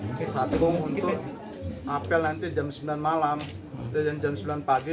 ini satu untuk ngapel nanti jam sembilan malam jam sembilan pagi